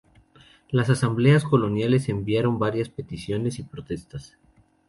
Las asambleas coloniales enviaron varias peticiones y protestas.